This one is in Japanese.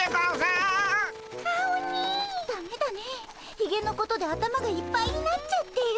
ひげのことで頭がいっぱいになっちゃってる。